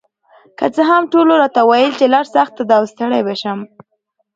که څه هم ټولو راته ویل چې لار سخته ده او ستړې به شم،